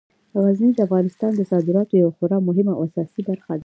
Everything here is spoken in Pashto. غزني د افغانستان د صادراتو یوه خورا مهمه او اساسي برخه ده.